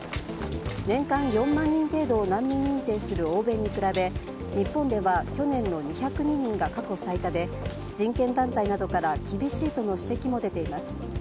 年間４万人程度を難民認定する欧米に比べ日本では去年の２０２人が過去最多で人権団体などから厳しいとの指摘も出ています。